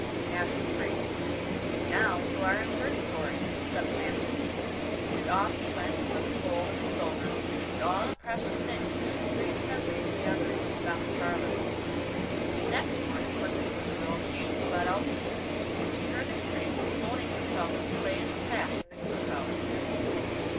asked the Priest. 'Now you are in Purgatory,' said the Master Thief, and off he went and took the gold and the silver and all the precious things which the Priest had laid together in his best parlour. Next morning, when the goose girl came to let out the geese, she heard the Priest bemoaning himself as he lay in the sack in the goose house.